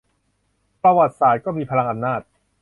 ประวัติศาสตร์ก็มีพลังอำนาจ